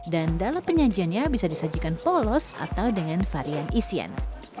dan dalam penyajiannya bisa disajikan polos atau dengan varian isian